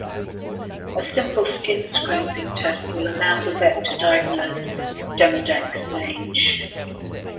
A simple skin scraping test will allow the vet to diagnose demodex mange.